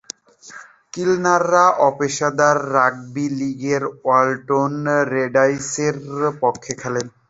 কিলনার অপেশাদার রাগবি লীগে ওউলটন রেইডার্সের পক্ষে খেলেন।